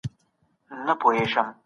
نړيوال کيدل بد نه دي.